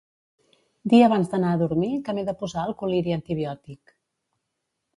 Dir abans d'anar a dormir que m'he de posar el col·liri antibiòtic.